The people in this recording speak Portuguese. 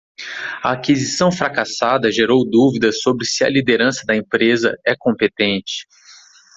A aquisição fracassada gerou dúvidas sobre se a liderança da empresa é competente.